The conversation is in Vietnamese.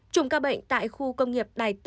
chùm ca bệnh tại khu công nghiệp đài tư